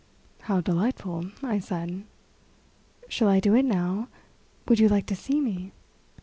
"How delightful," I said. "Shall I do it now? Would you like to see me?"